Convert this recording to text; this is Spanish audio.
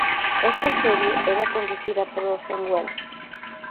Esta serie era conducida por Orson Welles.